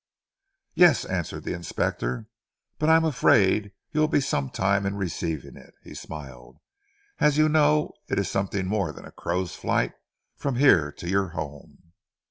"Yes," answered the inspector. "But I am afraid you will be some time in receiving it." He smiled. "As you know, it is something more than a crow's flight from here to your home."